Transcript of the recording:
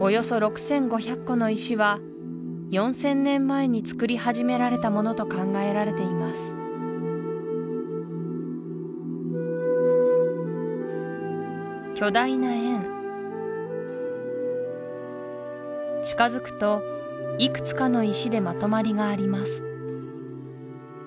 およそ６５００個の石は４０００年前に作り始められたものと考えられています巨大な円近づくといくつかの石でまとまりがあります